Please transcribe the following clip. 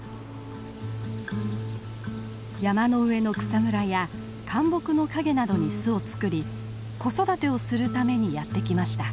山の上の草むらやかん木の陰などに巣を作り子育てをするためにやって来ました。